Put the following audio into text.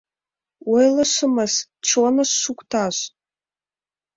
— Ойлышымыс, чоныш шукташ.